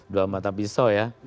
dua mata pisau ya